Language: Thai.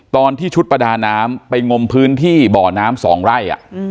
ตอนที่ชุดประดาน้ำไปงมพื้นที่บ่อน้ำ๒ไร่